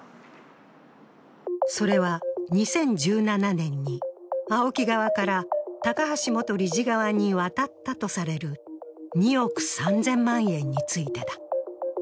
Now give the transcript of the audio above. それは、２０１７年にＡＯＫＩ側から高橋元理事側に渡ったとされる２億３０００万円についてだ。